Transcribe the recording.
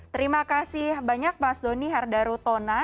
terima kasih banyak mas doni hardarutona